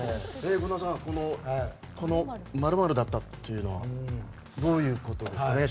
権田さん〇○だったというのはどういうことですか？